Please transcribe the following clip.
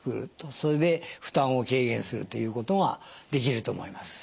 それで負担を軽減するということができると思います。